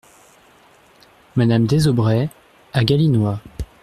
Madame Désaubrais , à Galinois.